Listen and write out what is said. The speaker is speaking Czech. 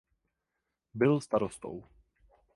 Byl starostou.